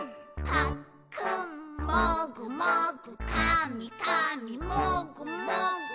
「ぱっくんもぐもぐ」「かみかみもぐもぐ」